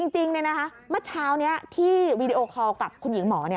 จริงเลยนะคะเมื่อเช้าที่วีดีโอคอลกับคุณหญิงหมอ